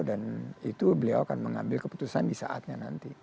dan itu beliau akan mengambil keputusan di saatnya nanti